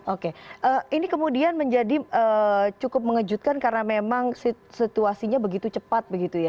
oke ini kemudian menjadi cukup mengejutkan karena memang situasinya begitu cepat begitu ya